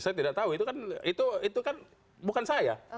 saya tidak tahu itu kan bukan saya